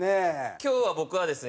今日は僕はですね